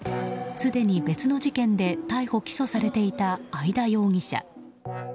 すでに別の事件で逮捕・起訴されていた会田容疑者。